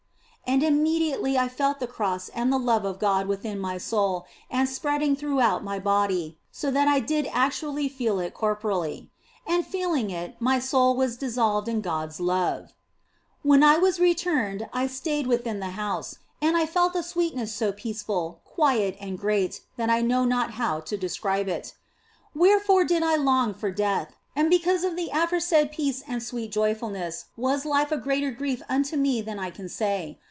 And immediately I felt the Cross and the love of God within my soul and spreading throughout my body, so that I did actually feel it corporally ; and feeling it, my soul was dissolved in God s love. When I was returned I stayed within the house, and I 1.68 THE BLESSED ANGELA felt a sweetness so peaceful, quiet, and great that I know not how to describe it. Wherefore did I long for death, and because of the aforesaid peace and sweet joyfulness was life a greater grief unto me than I can say.